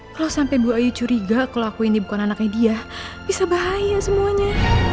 kalau sampai bu ayu curiga kalau aku ini bukan anaknya dia bisa bahaya semuanya